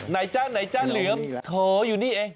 ไหนจ้าเหลือมเถอะอยู่นี่เอง